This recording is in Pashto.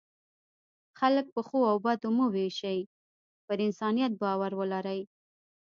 خلک په ښو او بدو مه وویشئ، پر انسانیت باور ولرئ.